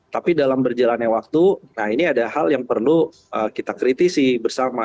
tapi dalam berjalannya waktu nah ini ada hal yang perlu kita kritisi bersama